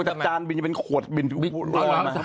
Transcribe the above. จับจานบินเป็นขวดบินถึงบินมา